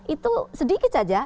itu sedikit saja